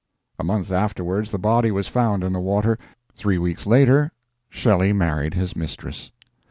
A month afterwards the body was found in the water. Three weeks later Shelley married his mistress.